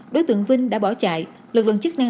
đối tượng vinh đã bỏ chạy lực lượng chức năng